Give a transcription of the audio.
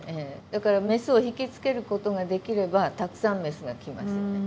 だからメスを引き付けることができればたくさんメスが来ますよね。